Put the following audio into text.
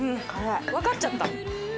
わかっちゃった。